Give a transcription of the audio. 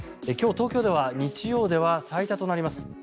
今日、東京では日曜では最多となります